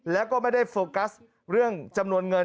แล้วก็ไม่ได้โฟกัสเรื่องจำนวนเงิน